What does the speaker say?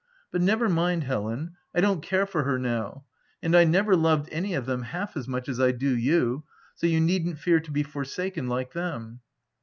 " But never mind, Helen, I don't care for her now ; and I never loved any of them half as much as I do you; so you needn't fear to be forsaken like them."